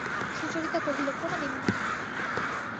সুচরিতা কহিল, কোনোদিন না!